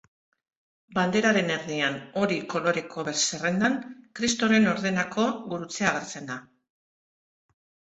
Banderaren erdian, hori koloreko zerrendan, Kristoren Ordenako gurutzea agertzen da.